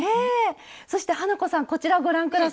そして花子さんこちらご覧下さい。